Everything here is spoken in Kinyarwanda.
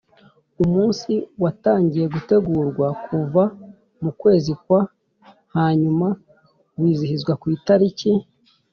umunsi watangiye gutegurwa kuva mu kwezi kwa hanyuma wizihizwa ku itariki